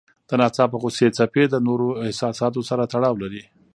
د ناڅاپه غوسې څپې د نورو احساساتو سره تړاو لري.